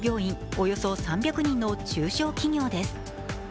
およそ３００人の中小企業です。